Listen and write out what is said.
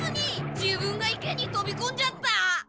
自分が池にとびこんじゃった！